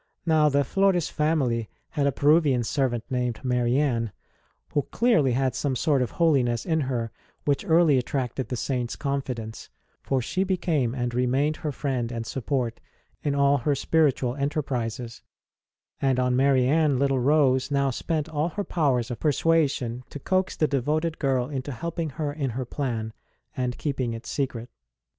Now, the Flores family had a Peruvian servant named Marianne, who clearly had some sort of holiness in her which early attracted the Saint s confidence, for she became and remained her friend and support in all her spiritual enterprises; and on Marianne little Rose now spent all her powers of persuasion, to coax the devoted girl into helping her in her plan, and keeping it secret.